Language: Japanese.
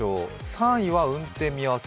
３位は運転見合わせ